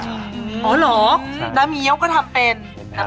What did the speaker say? อ๋อเหรอน้ำเงี้ยวก็ทำเป็น